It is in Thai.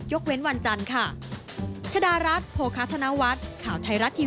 เว้นวันจันทร์ค่ะ